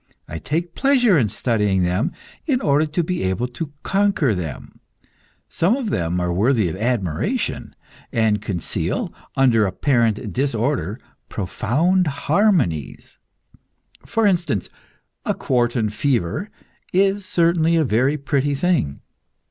I take pleasure in studying them in order to be able to conquer them. Some of them are worthy of admiration, and conceal, under apparent disorder, profound harmonies; for instance, a quartan fever is certainly a very pretty thing!